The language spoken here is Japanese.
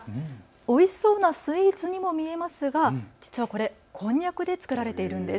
おいしそうなスイーツにも見えますが実はこれこんにゃくで作られているんです。